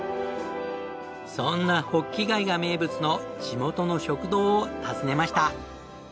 そんなホッキ貝が名物の地元の食堂を訪ねました。